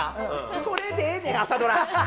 それでええねん「朝ドラ」。